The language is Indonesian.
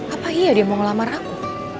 apa iya dia mau ngelamar ramu